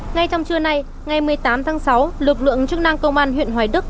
ngay trong trưa nay ngày một mươi tám tháng sáu lực lượng chức năng công an huyện hoài đức